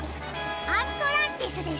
アントランティスです。